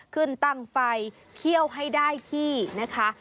ขึ้นตั้งไฟเคี่ยวให้ได้ที่นะคะ